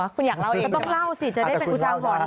คุณอยากเล่าเองต้องเล่าสิจะได้เป็นผู้จำหว่อนกัน